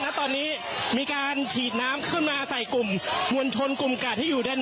และตอนนี้มีการฉีดน้ำขึ้นมาใส่กลุ่มมวลชนกลุ่มกาดที่อยู่ด้าน